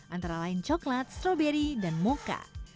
antara lain coklat stroberi dan mocha